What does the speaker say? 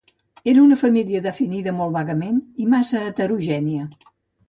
Era una família definida molt vagament i massa heterogènia.